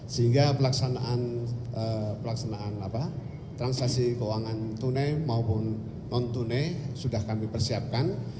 sehingga pelaksanaan transaksi keuangan tunai maupun non tunai sudah kami persiapkan